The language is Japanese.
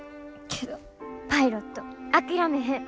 けどパイロット諦めへん。